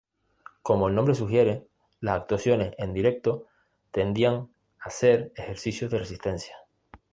Como el nombre sugiere, las actuaciones en directo tendían a ser ""ejercicios de resistencia"".